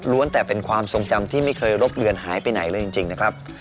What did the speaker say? แต่เป็นความทรงจำที่ไม่เคยรบเลือนหายไปไหนเลยจริงนะครับ